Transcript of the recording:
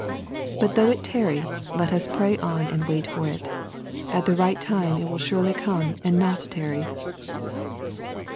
But though it tarry, let us pray on and wait for it. At the right time it will surely come and not tarry.